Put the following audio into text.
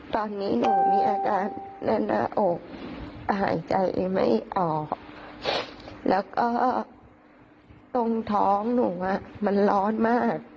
ตอนนี้หนูมีอาการแน่นหน้าอกหายใจไม่ออกแล้วก็ตรงท้องหนูมันร้อนมาก